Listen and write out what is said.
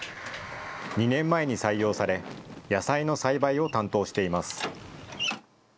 ２年前に採用され、野菜の栽培を担当しています。